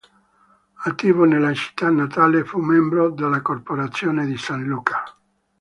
Attivo nella città natale, fu membro della Corporazione di San Luca.